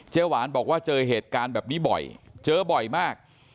หวานบอกว่าเจอเหตุการณ์แบบนี้บ่อยเจอบ่อยมาก